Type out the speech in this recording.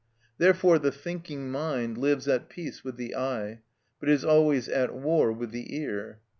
Therefore the thinking mind lives at peace with the eye, but is always at war with the ear.